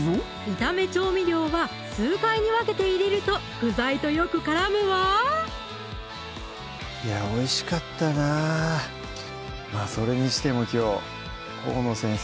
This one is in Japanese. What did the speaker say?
炒め調味料は数回に分けて入れると具材とよく絡むわいやおいしかったなそれにしてもきょう河野先生